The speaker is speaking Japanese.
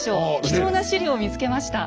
貴重な史料を見つけました。